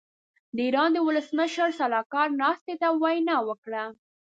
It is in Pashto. د ايران د ولسمشر سلاکار ناستې ته وینا وکړه.